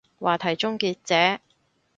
話題終結者